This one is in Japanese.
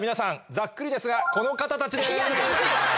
ざっくりですがこの方たちです！